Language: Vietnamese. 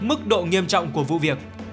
mức độ nghiêm trọng của vụ việc